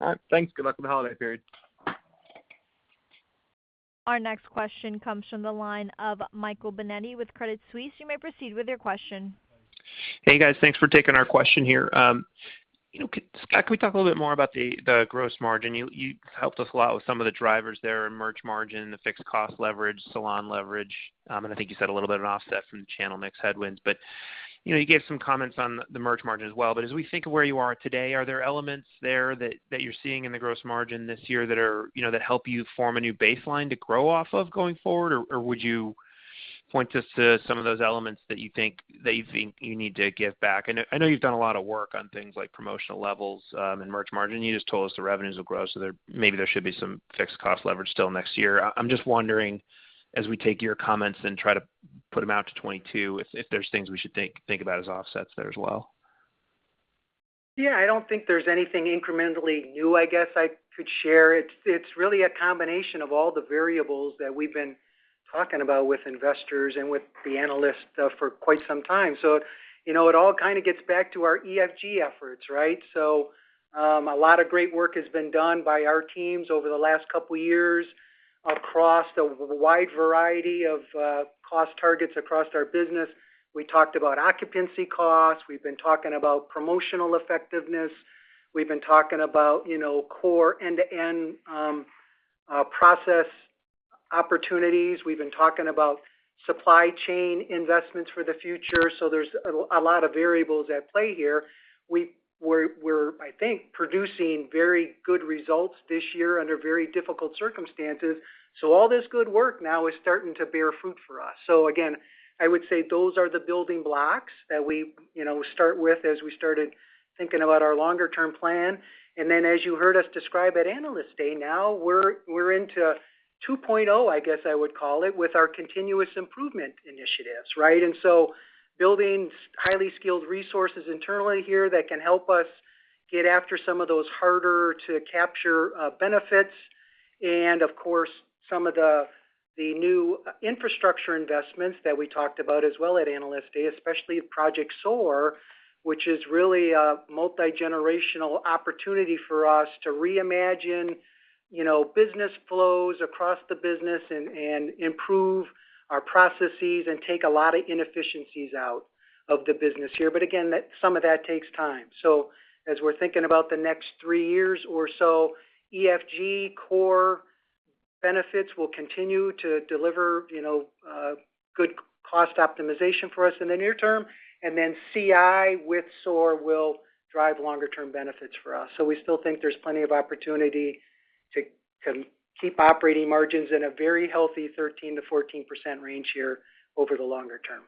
All right. Thanks. Good luck with the holiday period. Our next question comes from the line of Michael Binetti with Credit Suisse. You may proceed with your question. Hey, guys. Thanks for taking our question here. You know, Scott, can we talk a little bit more about the gross margin? You helped us a lot with some of the drivers there in merch margin, the fixed cost leverage, salon leverage. I think you said a little bit on offset from the channel mix headwinds. You know, you gave some comments on the merch margin as well. As we think of where you are today, are there elements there that you're seeing in the gross margin this year that are, you know, that help you form a new baseline to grow off of going forward? Or would you point us to some of those elements that you think you need to give back? I know you've done a lot of work on things like promotional levels, and merch margin. You just told us the revenues will grow, so maybe there should be some fixed cost leverage still next year. I'm just wondering, as we take your comments and try to put them out to 2022, if there's things we should think about as offsets there as well. Yeah, I don't think there's anything incrementally new, I guess, I could share. It's really a combination of all the variables that we've been talking about with investors and with the analysts for quite some time. You know, it all kinda gets back to our EFG efforts, right? A lot of great work has been done by our teams over the last couple years across a wide variety of cost targets across our business. We talked about occupancy costs. We've been talking about promotional effectiveness. We've been talking about, you know, core end-to-end process opportunities. We've been talking about supply chain investments for the future. There's a lot of variables at play here. We're, I think, producing very good results this year under very difficult circumstances. All this good work now is starting to bear fruit for us. Again, I would say those are the building blocks that we, you know, start with as we started thinking about our longer term plan. Then, as you heard us describe at Analyst Day, now we're into 2.0, I guess I would call it, with our continuous improvement initiatives, right? Building highly skilled resources internally here that can help us get after some of those harder to capture benefits. Of course, some of the new infrastructure investments that we talked about as well at Analyst Day, especially Project SOAR, which is really a multi-generational opportunity for us to reimagine, you know, business flows across the business and improve our processes and take a lot of inefficiencies out of the business here. Again, some of that takes time. As we're thinking about the next three years or so, EFG core benefits will continue to deliver, you know, good cost optimization for us in the near term, and then CI with SOAR will drive longer term benefits for us. We still think there's plenty of opportunity to keep operating margins in a very healthy 13%-14% range here over the longer term.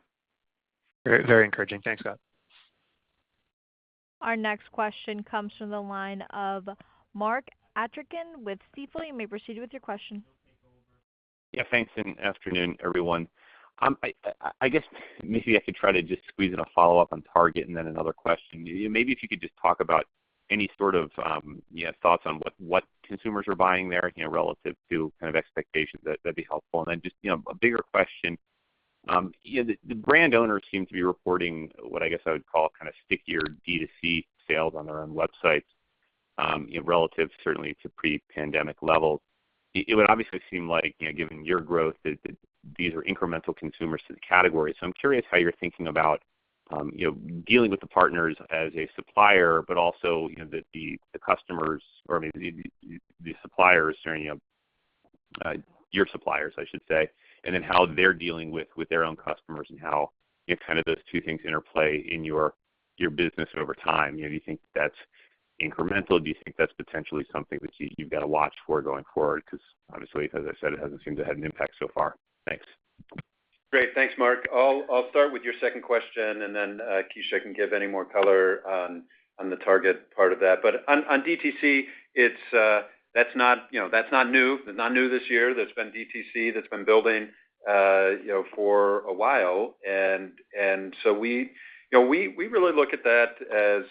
Very, very encouraging. Thanks, Scott. Our next question comes from the line of Mark Altschwager with Robert W. Baird & Co. You may proceed with your question. Yeah, thanks. Good afternoon, everyone. I guess maybe I could try to just squeeze in a follow-up on Target and then another question. Maybe if you could just talk about any sort of, you know, thoughts on what consumers are buying there, you know, relative to kind of expectations, that'd be helpful. Just, you know, a bigger question, you know, the brand owners seem to be reporting what I guess I would call kind of stickier D2C sales on their own websites, relative certainly to pre-pandemic levels. It would obviously seem like, you know, given your growth, that these are incremental consumers to the category. I'm curious how you're thinking about, you know, dealing with the partners as a supplier, but also, you know, the customers or maybe the suppliers, your suppliers, I should say, and then how they're dealing with their own customers and how, you know, kind of those two things interplay in your business over time. You know, do you think that's incremental? Do you think that's potentially something that you've got to watch for going forward? Because obviously, as I said, it hasn't seemed to have an impact so far. Thanks. Great. Thanks, Mark. I'll start with your second question, and then Kecia can give any more color on the Target part of that. On DTC, that's not, you know, that's not new. It's not new this year. There's been DTC that's been building, you know, for a while. We really look at that as,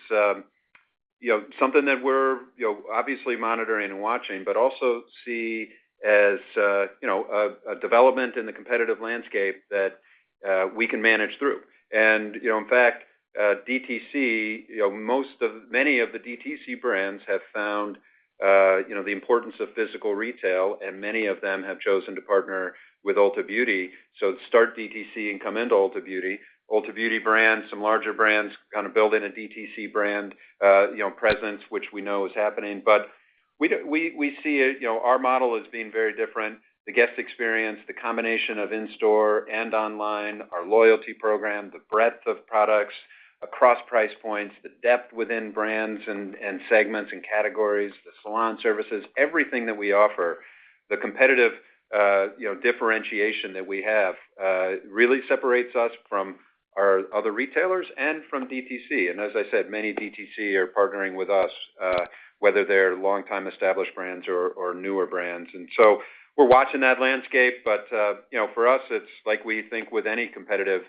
you know, something that we're, you know, obviously monitoring and watching, but also see as, you know, a development in the competitive landscape that we can manage through. You know, in fact, DTC, you know, many of the DTC brands have found, you know, the importance of physical retail, and many of them have chosen to partner with Ulta Beauty. Start DTC and come into Ulta Beauty. Ulta Beauty brands, some larger brands, building a DTC brand, you know, presence, which we know is happening. We see it, you know, our model as being very different. The guest experience, the combination of in-store and online, our loyalty program, the breadth of products across price points, the depth within brands and segments and categories, the salon services, everything that we offer, the competitive, you know, differentiation that we have, really separates us from our other retailers and from DTC. As I said, many DTC are partnering with us, whether they're longtime established brands or newer brands. We're watching that landscape. For us, it's like we think with any competitive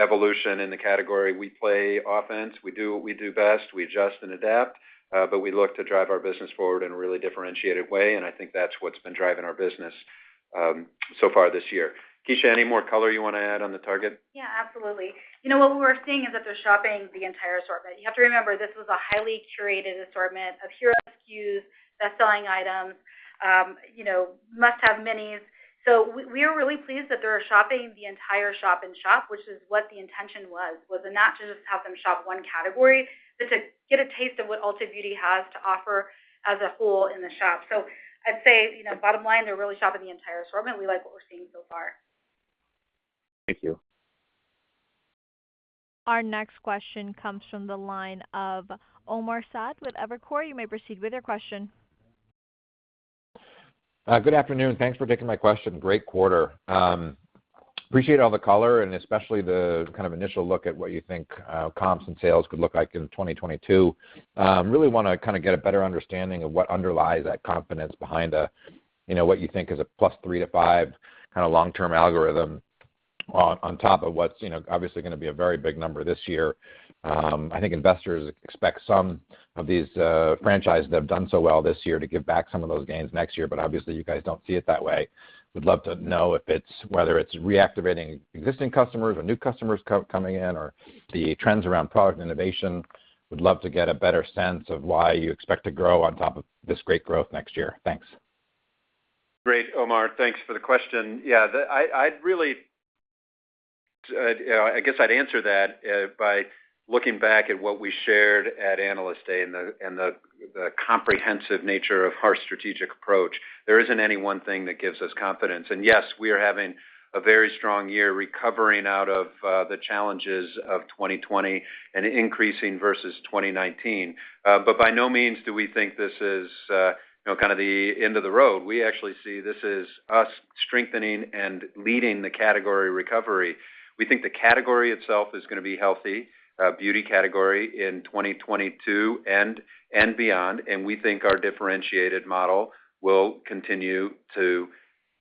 evolution in the category, we play offense, we do what we do best, we adjust and adapt, but we look to drive our business forward in a really differentiated way, and I think that's what's been driving our business so far this year. Kecia, any more color you want to add on the Target? Yeah, absolutely. You know what we're seeing is that they're shopping the entire assortment. You have to remember, this was a highly curated assortment of hero SKUs, bestselling items, you know, must-have minis. So we are really pleased that they are shopping the entire shop in shop, which is what the intention was not to just have them shop one category, but to get a taste of what Ulta Beauty has to offer as a whole in the shop. So I'd say, you know, bottom line, they're really shopping the entire assortment. We like what we're seeing so far. Thank you. Our next question comes from the line of Omar Saad with Evercore. You may proceed with your question. Good afternoon. Thanks for taking my question. Great quarter. Appreciate all the color and especially the kind of initial look at what you think comps and sales could look like in 2022. Really wanna kind of get a better understanding of what underlies that confidence behind a, you know, what you think is a +3% - +5% kind of long-term algorithm on top of what's, you know, obviously gonna be a very big number this year. I think investors expect some of these franchises that have done so well this year to give back some of those gains next year, but obviously, you guys don't see it that way. Would love to know whether it's reactivating existing customers or new customers coming in or the trends around product innovation. Would love to get a better sense of why you expect to grow on top of this great growth next year. Thanks. Great, Omar. Thanks for the question. Yeah, I'd really you know, I guess I'd answer that by looking back at what we shared at Analyst Day and the comprehensive nature of our strategic approach. There isn't any one thing that gives us confidence. Yes, we are having a very strong year recovering out of the challenges of 2020 and increasing versus 2019. By no means do we think this is you know, kind of the end of the road. We actually see this as us strengthening and leading the category recovery. We think the category itself is gonna be healthy, beauty category in 2022 and beyond, and we think our differentiated model will continue to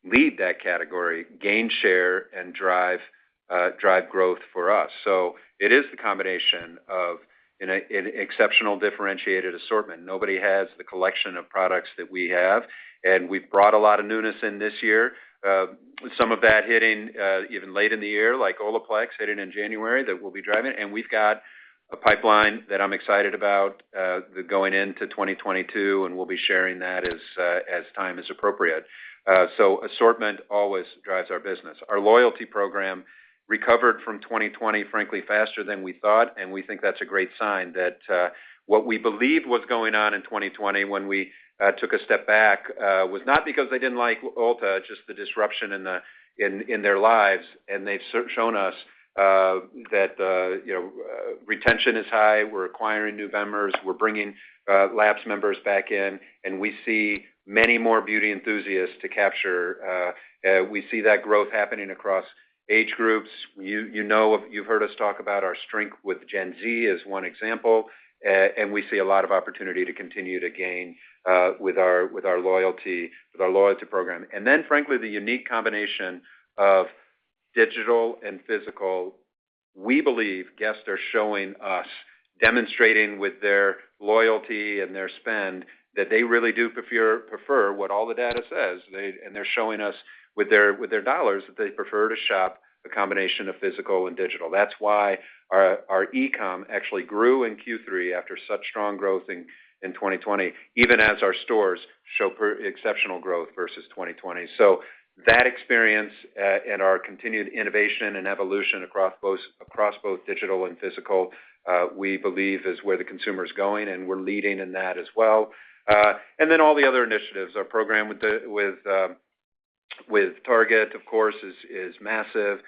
lead that category, gain share, and drive growth for us. It is the combination of an exceptional differentiated assortment. Nobody has the collection of products that we have, and we've brought a lot of newness in this year, some of that hitting even late in the year, like Olaplex hitting in January, that we'll be driving. We've got a pipeline that I'm excited about going into 2022, and we'll be sharing that as time is appropriate. Assortment always drives our business. Our loyalty program recovered from 2020, frankly, faster than we thought, and we think that's a great sign that what we believe was going on in 2020 when we took a step back was not because they didn't like Ulta, just the disruption in their lives. They've shown us that you know retention is high, we're acquiring new members. We're bringing lapsed members back in, and we see many more beauty enthusiasts to capture. We see that growth happening across age groups. You know, you've heard us talk about our strength with Gen Z as one example, and we see a lot of opportunity to continue to gain with our loyalty program. Then frankly, the unique combination of digital and physical. We believe guests are showing us, demonstrating with their loyalty and their spend that they really do prefer what all the data says. They're showing us with their dollars that they prefer to shop a combination of physical and digital. That's why our e-com actually grew in Q3 after such strong growth in 2020, even as our stores show exceptional growth versus 2020. That experience and our continued innovation and evolution across both digital and physical we believe is where the consumer is going, and we're leading in that as well. All the other initiatives, our program with Target, of course, is massive.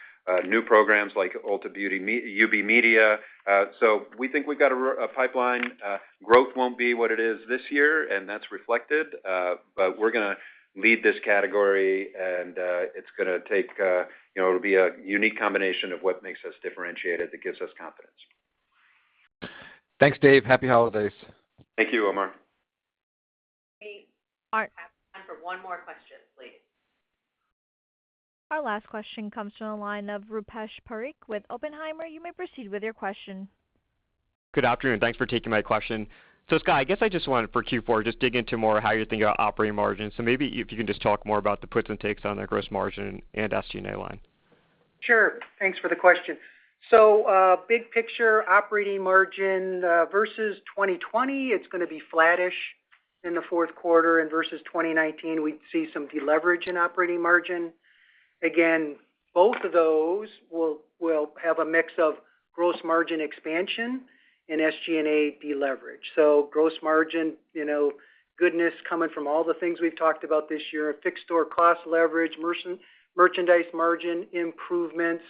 New programs like Ulta Beauty UB Media. We think we've got a pipeline. Growth won't be what it is this year, and that's reflected. We're gonna lead this category and it's gonna take you know it'll be a unique combination of what makes us differentiated that gives us confidence. Thanks, Dave. Happy holidays. Thank you, Omar. We have time for one more question, please. Our last question comes from the line of Rupesh Parikh with Oppenheimer. You may proceed with your question. Good afternoon. Thanks for taking my question. Scott, I guess I just wanted, for Q4, to just dig into more how you're thinking about operating margins. Maybe if you can just talk more about the puts and takes on the gross margin and SG&A line. Sure. Thanks for the question. Big picture operating margin versus 2020, it's gonna be flattish in the fourth quarter. Versus 2019, we see some deleverage in operating margin. Again, both of those will have a mix of gross margin expansion and SG&A deleverage. Gross margin, you know, goodness coming from all the things we've talked about this year, fixed store cost leverage, merchandise margin improvements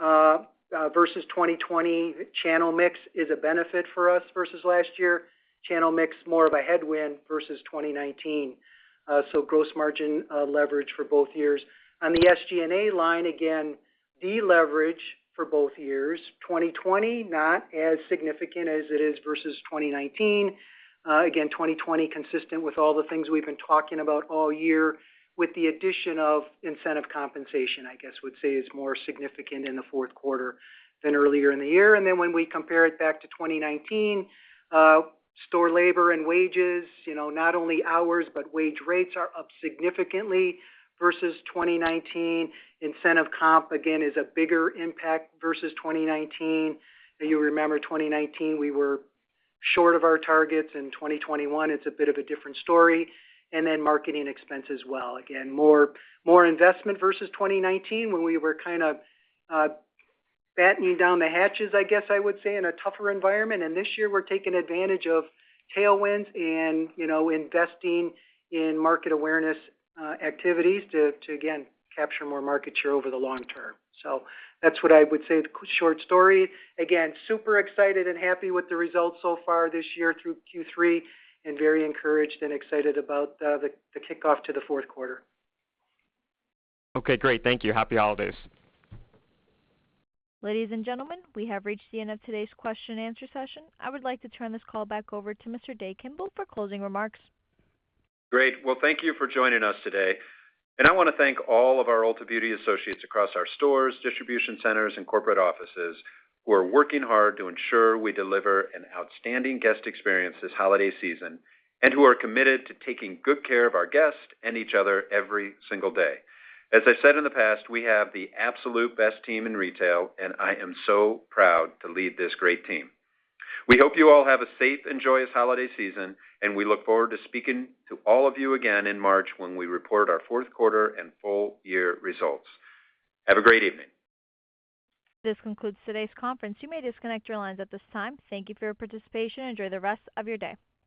versus 2020. Channel mix is a benefit for us versus last year. Channel mix more of a headwind versus 2019. Gross margin leverage for both years. On the SG&A line, again, deleverage for both years. 2020, not as significant as it is versus 2019. Again, 2020 consistent with all the things we've been talking about all year, with the addition of incentive compensation, I guess, would say is more significant in the fourth quarter than earlier in the year. When we compare it back to 2019, store labor and wages, you know, not only hours, but wage rates are up significantly versus 2019. Incentive comp, again, is a bigger impact versus 2019. You remember, 2019, we were short of our targets. In 2021, it's a bit of a different story. Marketing expense as well. Again, more investment versus 2019, when we were kind of, battening down the hatches, I guess I would say, in a tougher environment. This year, we're taking advantage of tailwinds and, you know, investing in market awareness activities to again capture more market share over the long term. That's what I would say. The short story, again, super excited and happy with the results so far this year through Q3, and very encouraged and excited about the kickoff to the fourth quarter. Okay, great. Thank you. Happy holidays. Ladies and gentlemen, we have reached the end of today's question and answer session. I would like to turn this call back over to Mr. Dave Kimbell for closing remarks. Great. Well, thank you for joining us today. I wanna thank all of our Ulta Beauty associates across our stores, distribution centers, and corporate offices who are working hard to ensure we deliver an outstanding guest experience this holiday season and who are committed to taking good care of our guests and each other every single day. As I said in the past, we have the absolute best team in retail, and I am so proud to lead this great team. We hope you all have a safe and joyous holiday season, and we look forward to speaking to all of you again in March when we report our fourth quarter and full-year results. Have a great evening. This concludes today's conference. You may disconnect your lines at this time. Thank you for your participation. Enjoy the rest of your day.